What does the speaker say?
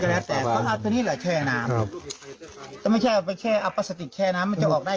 เดี๋ยววันนี้แหละแช่น้ำครับถ้าไม่ก็แค่อาลัยศาสติแช่น้ำมันจะออกได้